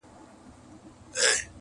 چی مات سوي یو زړه ماتي او کمزوري٫